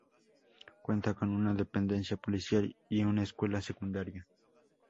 Cuenta con una dependencia policial, y una escuela secundaria.